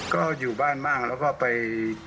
ก็อยู่บ้านบ้างแล้วก็ไป